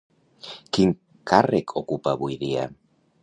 Quin càrrec ocupa avui dia?